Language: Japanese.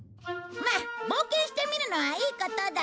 まあ冒険してみるのはいいことだ。